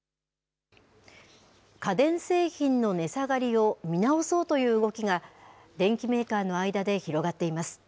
家電製品の値下がりを見直そうという動きが、電機メーカーの間で広がっています。